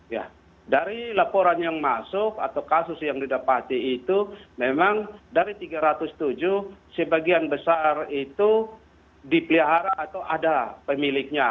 ya dari laporan yang masuk atau kasus yang didapati itu memang dari tiga ratus tujuh sebagian besar itu dipelihara atau ada pemiliknya